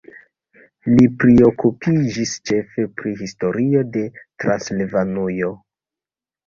Li priokupiĝis ĉefe pri historio de Transilvanujo.